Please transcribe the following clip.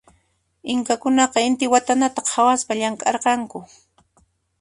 Inkakunaqa intiwatanata khawaspa llamk'arqanku.